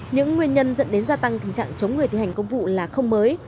những nguyên nhân dẫn đến gia tăng tình trạng chống người thi hành công vụ là không mới